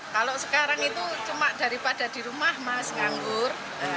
kalau sekarang itu cuma daripada di rumah mas nganggur